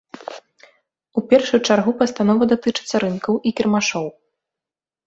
У першую чаргу пастанова датычыцца рынкаў і кірмашоў.